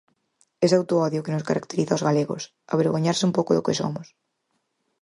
Ese autoodio que nos caracteriza os galegos, avergoñarse un pouco do que somos.